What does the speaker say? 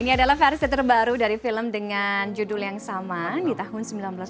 ini adalah versi terbaru dari film dengan judul yang sama di tahun seribu sembilan ratus sembilan puluh